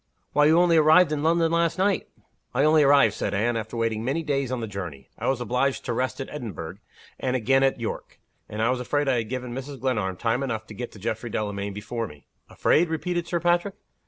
"Why, you only arrived in London last night!" "I only arrived," said Anne, "after waiting many days on the journey. I was obliged to rest at Edinburgh, and again at York and I was afraid I had given Mrs. Glenarm time enough to get to Geoffrey Delamayn before me." "Afraid?" repeated Sir Patrick.